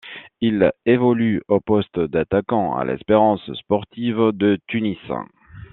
Il évolue au poste d'attaquant à l'Espérance sportive de Tunis.